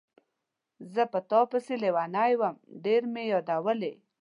زه په تا پسې لیونی وم، ډېر مې یادولې.